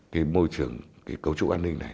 cái môi trường cái cấu trúc an ninh này